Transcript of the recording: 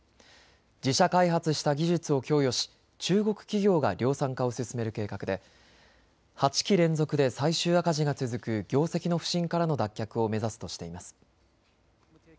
自社開発した技術を供与し中国企業が量産化を進める計画で８期連続で最終赤字が続く業績の不振からの脱却を目指すとしています。